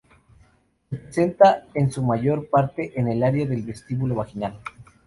Se presentan en su mayor parte en el área del vestíbulo vaginal.